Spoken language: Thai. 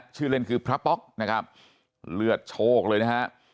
ชื่อเล่นคือพระป๊อกนะครับเลือดโชคเลยนะฮะ